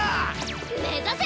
目指せ！